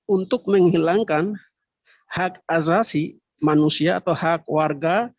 untuk menghilangkan hak azasi manusia atau hak warga